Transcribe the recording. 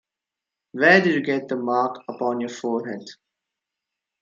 Where did you get the mark upon your forehead?